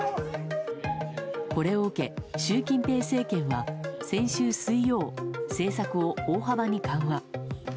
これを受け習近平政権は先週水曜、政策を大幅に緩和。